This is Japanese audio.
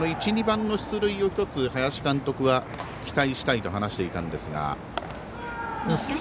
１、２番の出塁を１つ、林監督は期待したいと話していたんですが。